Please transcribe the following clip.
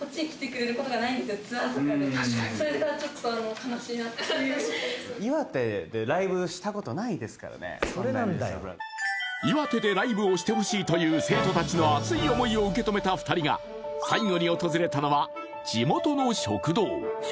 ・確かに岩手でライブをしてほしいという生徒達の熱い思いを受けとめた２人が最後に訪れたのは地元の食堂